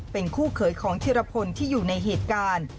เป็นคู่เขยของธิรพลที่อยู่ในเหตุการณ์